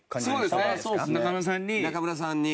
そうですね仲村さんに。